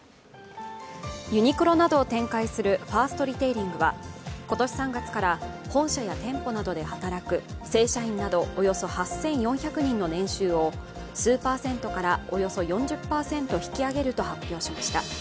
ユニクロなどを展開するファーストリテイリングは今年３月から本社や店舗などで働く正社員などおよそ８４００人の年収を数パーセントからおよそ４０％引き上げると発表しました。